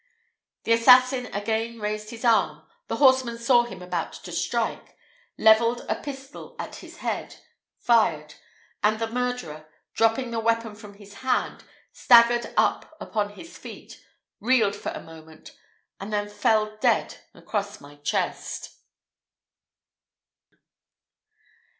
The assassin again raised his arm: the horseman saw him about to strike levelled a pistol at his head fired and the murderer, dropping the weapon from his hand, staggered up upon his feet reeled for a moment, and then fell dead across my chest.